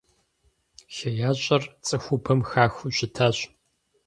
ХеящӀэр цӀыхубэм хахыу щытащ.